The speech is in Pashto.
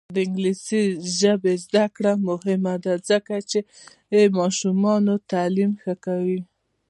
د انګلیسي ژبې زده کړه مهمه ده ځکه چې ماشومانو تعلیم ښه کوي.